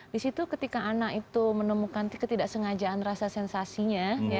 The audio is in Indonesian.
di situ ketika anak itu menemukan ketidaksengajaan rasa sensasinya